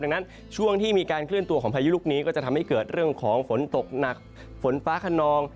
ดังนั้นช่วงที่มีการเคลื่อนตัวของพายุลูกนี้ก็จะทำให้เกิดเรื่องของฝนตกหนักฝนฟ้าขนอง